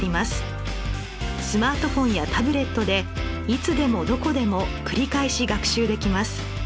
スマートフォンやタブレットでいつでもどこでも繰り返し学習できます。